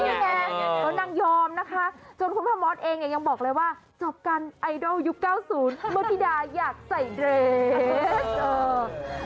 นี่ไงแล้วนางยอมนะคะจนคุณพ่อมอสเองเนี่ยยังบอกเลยว่าจบกันไอดอลยุค๙๐เมื่อธิดาอยากใส่เรท